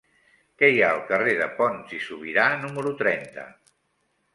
Què hi ha al carrer de Pons i Subirà número trenta?